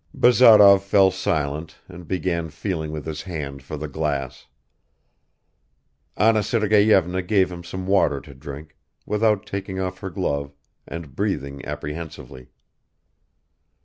Barazov fell silent and began feeling with his hand for the glass. Anna Sergeyevna gave him some water to drink, without taking off her glove and breathing apprehensively.